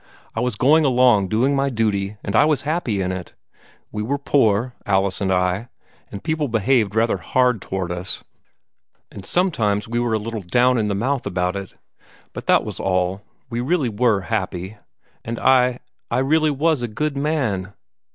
I was going along doing my duty, and I was happy in it. We were poor, Alice and I, and people behaved rather hard toward us, and sometimes we were a little down in the mouth about it; but that was all. We really were happy; and I I really was a good man.